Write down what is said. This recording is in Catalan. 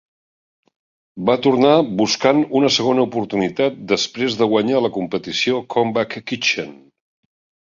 Va tornar buscant una segona oportunitat després de guanyar la competició Comeback Kitchen.